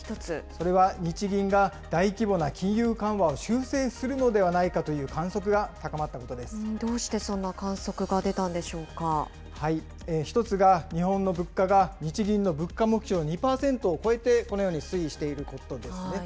それは日銀が大規模な金融緩和を修正するのではないかというどうしてそんな観測が出たん１つが日本の物価が日銀の物価目標の２％を超えて、このように推移していることですね。